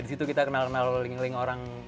di situ kita kenal kenal ling ling orang